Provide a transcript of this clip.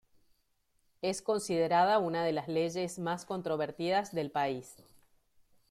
Es considerada una de las leyes más controvertidas del país.